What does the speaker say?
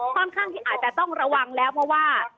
ค่อนข้างที่อาจจะต้องระวังแล้วเพราะว่า